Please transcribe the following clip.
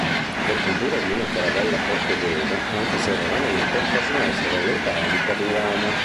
Le punture di una caravella portoghese, anche se raramente, possono essere letali per l'uomo.